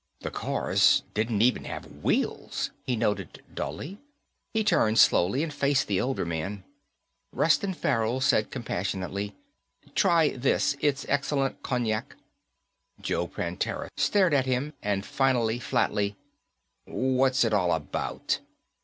The cars didn't even have wheels, he noted dully. He turned slowly and faced the older man. Reston Farrell said compassionately, "Try this, it's excellent cognac." Joe Prantera stared at him, said finally, flatly, "What's it all about?"